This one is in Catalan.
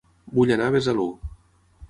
Vull anar a Besalú